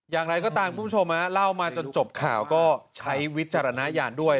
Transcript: อย่างไรก็ตามคุณผู้ชมเล่ามาจนจบข่าวก็ใช้วิจารณญาณด้วย